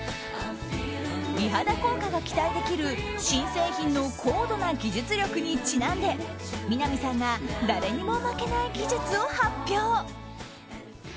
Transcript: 美肌効果が期待できる新製品の高度な技術力にちなんでみな実さんが誰にも負けない技術を発表。